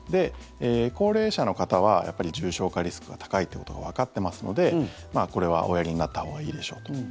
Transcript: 高齢者の方はやっぱり重症化リスクが高いってことがわかってますのでこれはおやりになったほうがいいでしょうと。